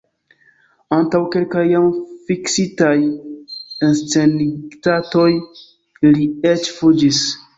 Antaŭ kelkaj jam fiksitaj enscenigdatoj li eĉ fuĝis.